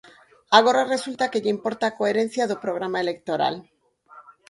Agora resulta que lle importa a coherencia do programa electoral.